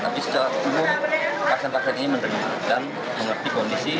tapi secara umum pasien pasien ini menerima dan mengerti kondisi